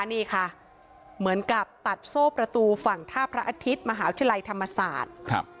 นี่ค่ะเหมือนกับตัดโซ่ประตูฝั่งท่าพระอาทิตย์มหาวิทยาลัยธรรมศาสตร์